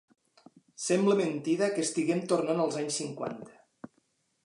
Sembla mentida que estiguem tornant als anys cinquanta.